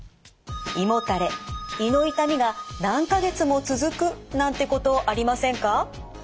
胃もたれ胃の痛みが何か月も続くなんてことありませんか？